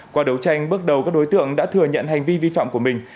qua đấu tranh bước đầu các đối tượng đã thừa nhận hành vi vi phạm của mình